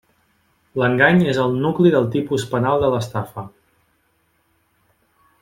L'engany és el nucli del tipus penal de l'estafa.